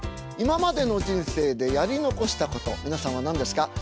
今までの人生でやり残したこと皆さんは何ですか？